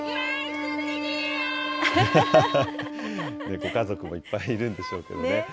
ご家族もいっぱいいるんでしょうけどね。